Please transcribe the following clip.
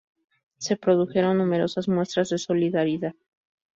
Se produjeron numerosas muestras de solidaridad.